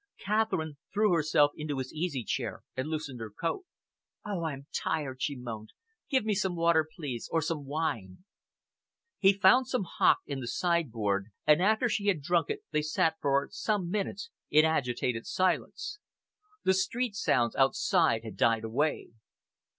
Catherine threw herself into his easy chair and loosened her coat. "Oh, I am tired!" she moaned. "Give me some water, please, or some wine." He found some hock in the sideboard, and after she had drunk it they sat for some few minutes in agitated silence. The street sounds outside had died away.